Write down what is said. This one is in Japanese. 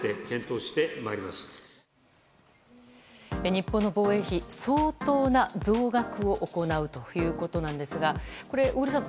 日本の防衛費、相当な増額を行うということですがこれ、小栗さん